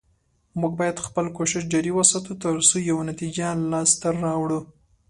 موږ باید خپل کوشش جاري وساتو، تر څو یوه نتیجه لاسته راوړو